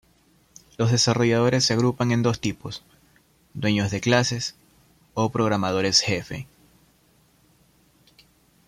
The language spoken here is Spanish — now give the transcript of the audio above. Los desarrolladores se agrupan en dos tipos, "dueños de clases" o "programadores jefe".